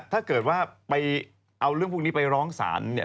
ถ้าเกิดว่าไปเอาเรื่องพวกนี้ไปร้องศาลเนี่ย